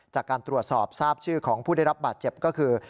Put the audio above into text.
จากการตรวจสอบทราบชื่อของผู้ได้รับบาดเจ็บก็คือ